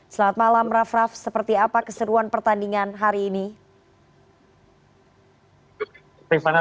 selamat malam rahraf seperti apa keseruan pertandingan hari ini